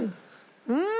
うん！